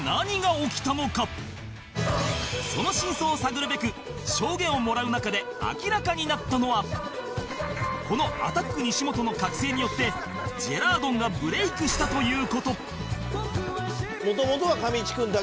その真相を探るべく証言をもらう中で明らかになったのはこのアタック西本の覚醒によってジェラードンがブレイクしたという事